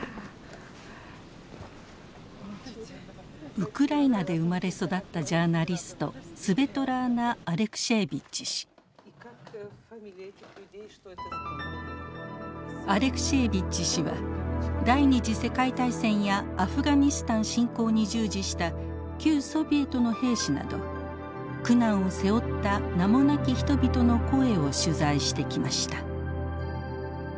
ウクライナで生まれ育ったジャーナリストアレクシエービッチ氏は第ニ次世界大戦やアフガニスタン侵攻に従事した旧ソビエトの兵士など苦難を背負った名もなき人々の声を取材してきました。